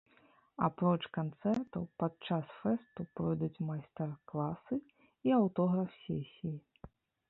Апроч канцэртаў падчас фэсту пройдуць майстар-класы і аўтограф-сесіі.